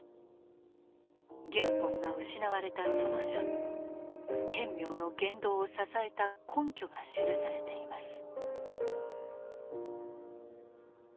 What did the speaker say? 原本が失われたその書に顕明の言動を支えた根拠が記されています。